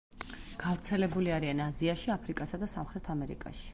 გავრცელებული არიან აზიაში, აფრიკასა და სამხრეთ ამერიკაში.